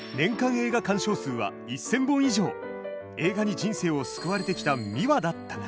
映画に人生を救われてきたミワだったが。